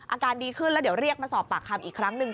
อาการดีขึ้นแล้วเดี๋ยวเรียกมาสอบปากคำอีกครั้งหนึ่ง